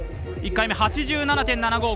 １回目８７．７５。